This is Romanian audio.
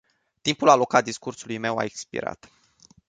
Timpul alocat discursului meu a expirat.